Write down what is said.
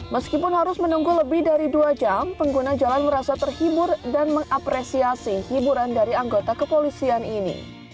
meskipun harus menunggu lebih dari dua jam pengguna jalan merasa terhibur dan mengapresiasi hiburan dari anggota kepolisian ini